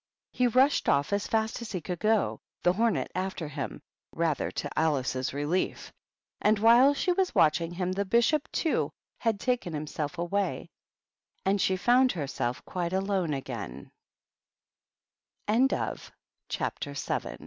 He rushed off as fast as he could go, the " hornet" after him, rather to Alice's relief; and while she was watching him, the Bishop, too, had taken himself away, and she found herself quite alo